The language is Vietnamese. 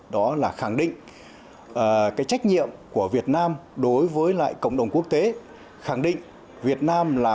đó là khẳng định cái trách nhiệm của việt nam đối với lại cộng đồng quốc tế khẳng định việt nam là